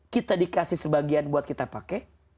kita dikasih sebagian buat kita pakai